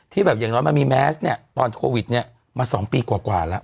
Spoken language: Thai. แบบอย่างน้อยมันมีแมสเนี่ยตอนโควิดเนี่ยมา๒ปีกว่าแล้ว